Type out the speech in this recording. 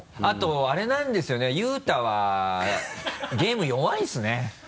あとあれなんですよね雄太はゲーム弱いんですね。